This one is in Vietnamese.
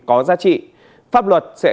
có giá trị pháp luật sẽ